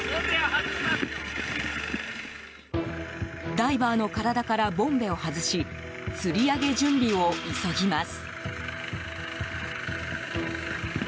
ダイバーの体からボンベを外しつり上げ準備を急ぎます。